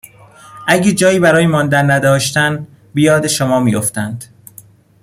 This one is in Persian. اگر جایی برای ماندن نداشتن به یاد شما می افتند،